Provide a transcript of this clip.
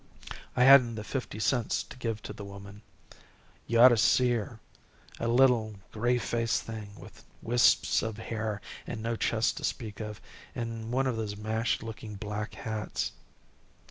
I hadn't the fifty cents to give to the woman. You ought to see her! A little, gray faced thing, with wisps of hair, and no chest to speak of, and one of those mashed looking black hats.